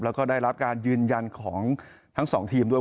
แล้วก็ได้รับการยืนยันของทั้งสองทีมด้วย